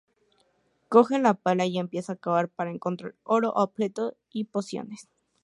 Coge la pala y empieza a cavar para encontrar oro, objetos y pociones.